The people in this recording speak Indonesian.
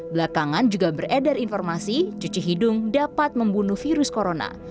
belakangan juga beredar informasi cuci hidung dapat membunuh virus corona